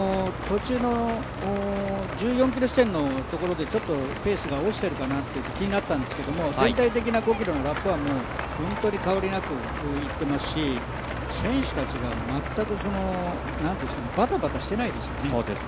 １４ｋｍ地点のところでちょっとペースが落ちてるかなと気になったんですけど全体的な５ｋｍのラップは本当に変わりなくいってますし、選手たちが全くバタバタしていないですよね。